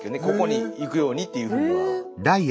ここに行くようにっていうふうには。